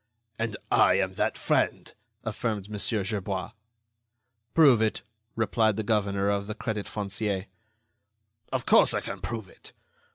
"And I am that friend," affirmed Mon. Gerbois. "Prove it," replied the governor of the Crédit Foncier. "Of course I can prove it.